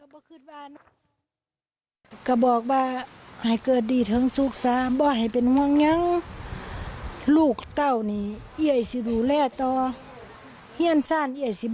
เพราะอย่างไงล่ะ